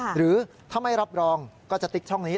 หรือถ้าไม่รับรองก็จะติ๊กช่องนี้